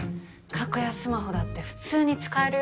格安スマホだって普通に使えるよ。